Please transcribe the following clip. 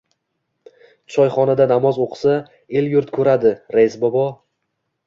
— Choyxonada namoz o‘qisa, el-yurt ko‘radi, rais bova.